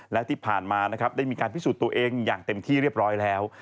และที่ผ่านมานะครับได้มีการพิสูจน์ตัวเองอย่างเต็มที่เรียบร้อยแล้ว